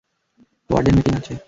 Warden meeting আছে।